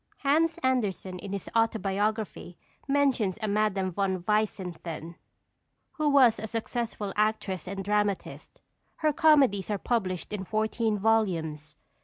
Hans Andersen in his Autobiography mentions a Madame von Weissenthurn, who was a successful actress and dramatist. Her comedies are published in fourteen volumes.